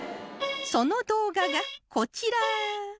その動画がこちら